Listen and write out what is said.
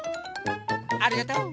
ありがとう。